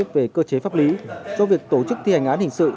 về cơ chế pháp lý do việc tổ chức thi hành án hình sự